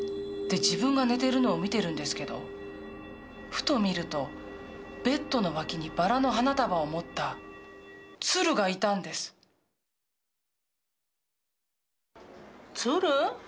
で自分が寝てるのを見てるんですけどふと見るとベッドの脇にバラの花束を持ったつるがいたんです鶴？